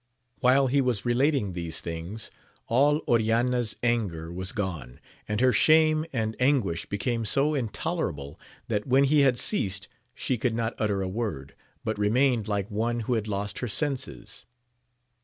While he was relating these things, all Oriana's anger was gone, and her shame and anguish became so intolerable, that when he had ceased she could not utter a word, but remained Hke one who had lost her senses.